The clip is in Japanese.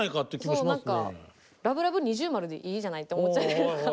そう何かラブラブ二重マルでいいじゃないって思っちゃうというか。